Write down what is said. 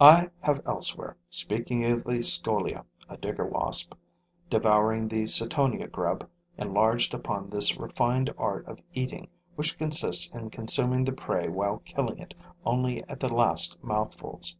I have elsewhere, speaking of the Scolia [a digger wasp] devouring the Cetonia grub, enlarged upon this refined art of eating which consists in consuming the prey while killing it only at the last mouthfuls.